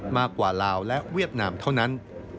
มากกว่าลาวและเวียดนามเท่านั้น